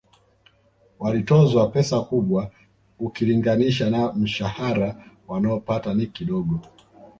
Walitozwa pesa kubwa ukilinganisha na mshahara wanaopata ni kidogo